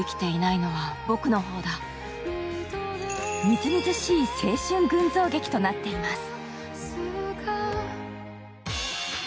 みずみずしい青春群像劇となっています。